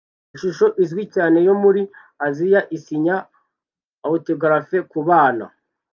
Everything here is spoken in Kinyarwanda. Ishusho izwi cyane yo muri Aziya isinya autografi kubana